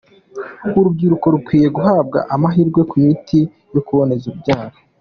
Urubyiruko rukwiye guhabwa amahirwe ku miti yo kuboneza urubyaro.